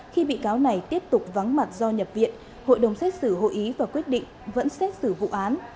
khi bị cáo này tiếp tục vắng mặt do nhập viện hội đồng xét xử hội ý và quyết định vẫn xét xử vụ án